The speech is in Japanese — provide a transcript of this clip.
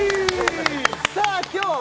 さあ今日は＃